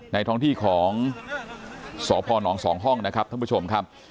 ท้องที่ของสพน๒ห้องนะครับท่านผู้ชมครับ